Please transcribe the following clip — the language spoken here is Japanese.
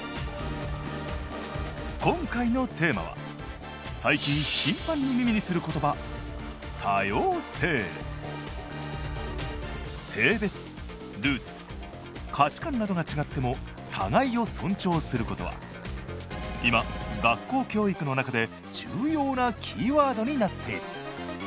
今回のテーマは最近頻繁に耳にする言葉「性別ルーツ価値観などが違っても互いを尊重すること」は今学校教育の中で重要なキーワードになっている。